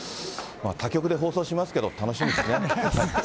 他局で放送しますけど、楽しみですね。